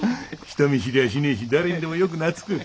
人見知りはしねえし誰にでもよく懐く。